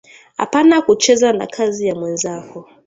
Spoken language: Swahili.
apana kucheza na kazi ya mwenzako